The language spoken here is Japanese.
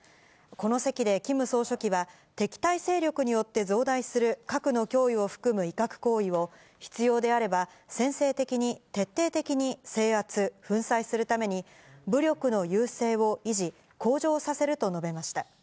この席でキム総書記は、敵対勢力によって増大する核の脅威を含む威嚇行為を、必要であれば、先制的に、徹底的に制圧、粉砕するために、武力の優勢を維持・向上させると述べました。